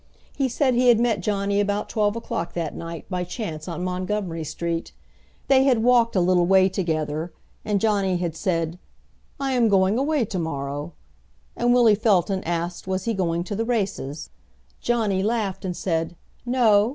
He said he had met Johnny about twelve o'clock that night, by chance on Montgomery Street. They had walked a little way together, and Johnny had said, 'I am going away to morrow,' and Willie Felton asked was he going to the races. Johnny laughed and said, 'No.